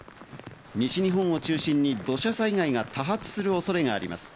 西日本を中心に土砂災害が多発する恐れがあります。